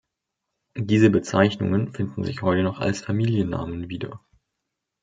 Diese Bezeichnungen finden sich heute noch als Familiennamen wieder.